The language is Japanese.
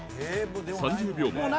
３０秒前。